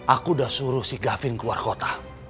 aku udah suruh si gavin keluar kota